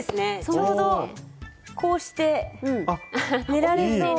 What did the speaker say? ちょうどこうして寝られそう。